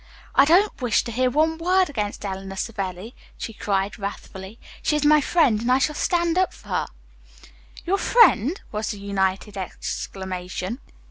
"I don't wish to hear one word against Eleanor Savelli," she cried wrathfully. "She is my friend, and I shall stand up for her." "Your friend?" was the united exclamation.